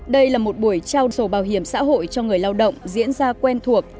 đây là một buổi trao sổ bảo hiểm xã hội cho người lao động diễn ra quen thuộc